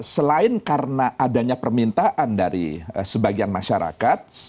selain karena adanya permintaan dari sebagian masyarakat